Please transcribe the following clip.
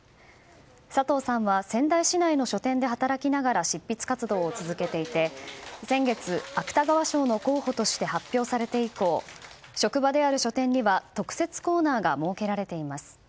佐藤さんは仙台市内の書店で働きながら執筆活動を続けていて先月、芥川賞の候補として発表されて以降職場である書店には特設コーナーが設けられています。